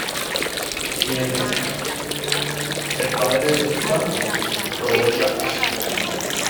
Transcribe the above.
Mientras están juntos, el padre de Gustav provoca a Süß.